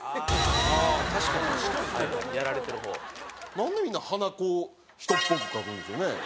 なんでみんな鼻こう人っぽく描くんでしょうね。